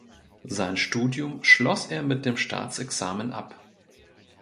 Sein Studium schloss er mit dem Staatsexamen ab.